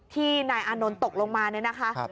นายอานนท์ตกลงมาเนี่ยนะคะ